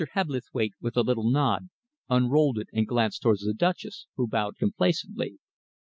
Hebblethwaite, with a little nod, unrolled it and glanced towards the Duchess, who bowed complacently.